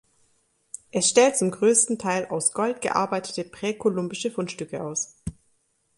Es stellt zum größten Teil aus Gold gearbeitete präkolumbische Fundstücke aus.